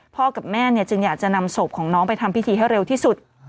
กับแม่เนี่ยจึงอยากจะนำศพของน้องไปทำพิธีให้เร็วที่สุด